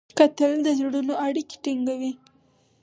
کتل د زړونو اړیکې ټینګوي